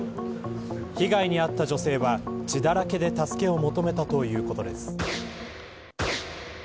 被害に遭った女性は血だらけで助けを求めたということです。